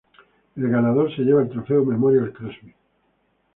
El ganador se lleva el "Trofeo Memorial Crosby".